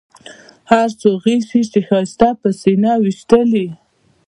هر څو غشي چې ښایسته پر سینه ویشتلي.